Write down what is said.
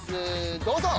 どうぞ！